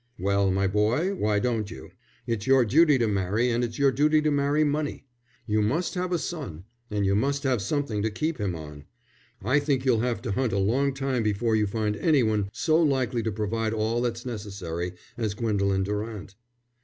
"Well, my boy, why don't you? It's your duty to marry and it's your duty to marry money. You must have a son and you must have something to keep him on. I think you'll have to hunt a long time before you find any one so likely to provide all that's necessary as Gwendolen Durant."